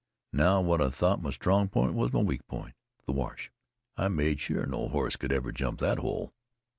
Now what I thought my strong point was my weak point the wash. I made sure no horse could ever jump that hole."